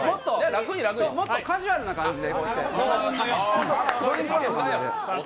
もっとカジュアルな感じで。